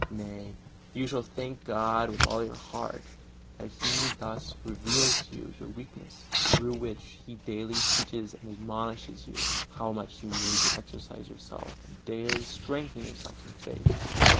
Nay, you shall thank God with all your heart that He thus reveals to you your weakness, through which He daily teaches and admonishes you how much you need to exercise yourself and daily strengthen yourself in faith.